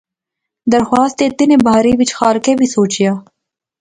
درخواست دتے نے بارے وچ خالقے وی سوچیا